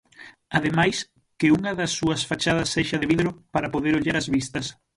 Ademais, que unha das súas fachadas sexa de vidro para poder ollar as vistas.